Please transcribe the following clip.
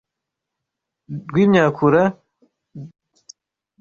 rw’imyakura gukabuka no kugwa ikinya